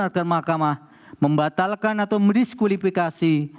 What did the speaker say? agar mahkamah membatalkan atau mendiskualifikasi